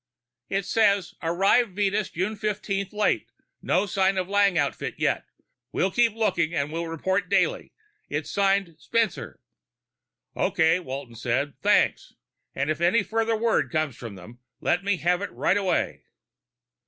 "It says, 'Arrived Venus June fifteen late, no sign of Lang outfit yet. Well keep looking and will report daily.' It's signed, 'Spencer.'" "Okay," Walton said. "Thanks. And if any further word from them comes, let me have it right away."